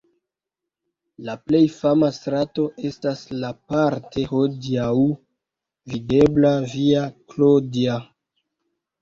La plej fama strato estas la parte hodiaŭ videbla Via Claudia.